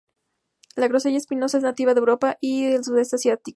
La grosella espinosa es nativa de Europa y el sudoeste asiático.